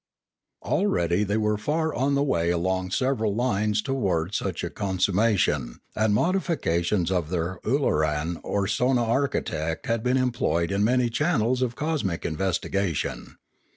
Already they were far on the way along several lines towards such a consummation, and modifications of their ooloran or sonarchitect had been employed in many channels of cosmic investigation.